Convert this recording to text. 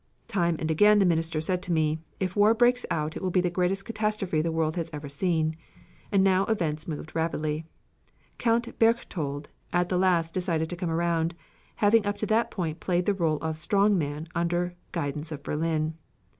Time and again the Minister said to me, "If war breaks out it will be the greatest catastrophe the world has ever seen." And now events moved rapidly. Count Berchtold at last decided to come around, having up to that point played the role of "Strong man" under guidance of Berlin.